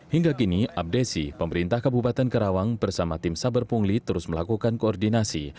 hingga kini abdesi pemerintah kabupaten karawang bersama tim saber pungli terus melakukan koordinasi